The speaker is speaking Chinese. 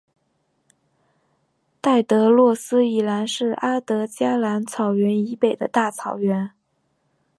戴德洛斯以南是阿德加蓝草原以北的大草原。